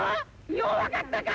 ようわかったか！